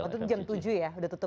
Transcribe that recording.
waktu itu jam tujuh ya sudah tutup ya